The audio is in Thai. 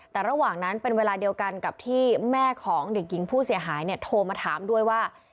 แต่ระหว่างนั้นเป็นเวลาเดียวกันกับที่แม่ของเด็กหญิงผู้เสียหายเนี่ยโทรมาถามด้วยว่า